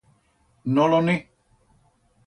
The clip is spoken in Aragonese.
No lo'n é.